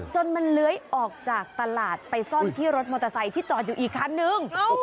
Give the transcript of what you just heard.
จนมันเลื้อยออกจากตลาดไปซ่อนที่รถมอเตอร์ไซค์ที่จอดอยู่อีกคันนึง